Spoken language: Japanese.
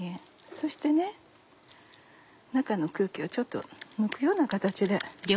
そして中の空気をちょっと抜くような形で。